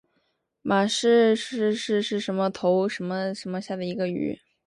马氏蛰丽鱼是辐鳍鱼纲鲈形目隆头鱼亚目慈鲷科下的一种鱼。